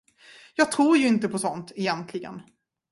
Jag tror ju inte på sånt, egentligen.